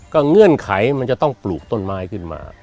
เงื่อนไขมันจะต้องปลูกต้นไม้ขึ้นมา